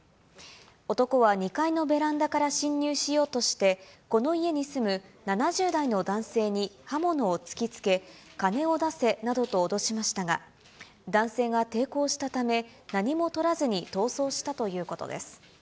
男は２階のベランダから侵入しようとして、この家に住む７０代の男性に刃物を突きつけ、金を出せなどと脅しましたが、男性が抵抗したため、何もとらずに逃走したということです。